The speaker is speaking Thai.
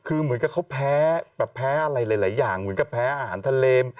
คือเหมือนกับเขาแพ้แบบแพ้อะไรหลายอย่างเหมือนกับแพ้อาหารทะเล